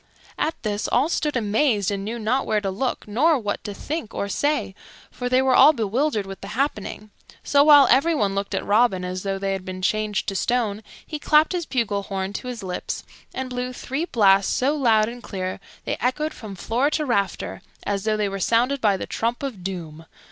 At this all stood amazed, and knew not where to look nor what to think or say, for they were all bewildered with the happening; so, while everyone looked at Robin as though they had been changed to stone, he clapped his bugle horn to his lips and blew three blasts so loud and clear, they echoed from floor to rafter as though they were sounded by the trump of doom.